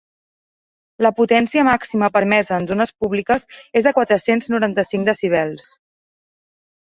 La potència màxima permesa en zones públiques és de quatre-cents noranta-cinc decibels.